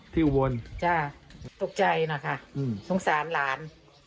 ที่อุบลใช่ตกใจนะคะสงสารหลาน